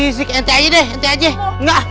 enggak enggak enggak